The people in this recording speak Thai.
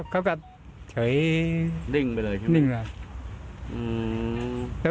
เขาก็เฉยนิ่งเลย